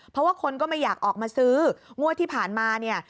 เพราะว่าคนก็ไม่อยากออกมาซื้องวดที่ผ่านมาเนี่ย